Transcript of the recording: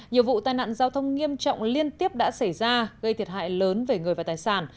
nhiều vụ tai nạn giao thông nghiêm trọng liên tiếp đã xảy ra gây thiệt hại lớn về người và tài sản